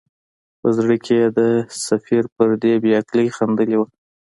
په زړه کې یې د سفیر پر دې بې عقلۍ خندلي وه.